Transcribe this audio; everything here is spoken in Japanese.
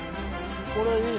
これはいいね。